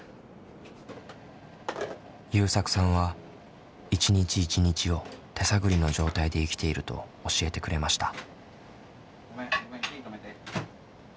ゆうさくさんは一日一日を手探りの状態で生きていると教えてくれました。